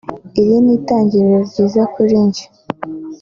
“Iri ni itangiriro ryiza kuri njye